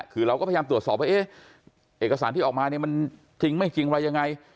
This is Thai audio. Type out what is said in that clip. คือเราก็พยายามตรวจสอบว่าเอ๊ะเอกสารที่ออกมาเนี่ยมันจริงไม่จริงอะไรยังไง